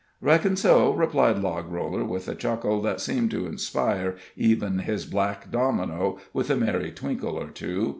"Reckon so," replied Logroller, with a chuckle that seemed to inspire even his black domino with a merry wrinkle or two.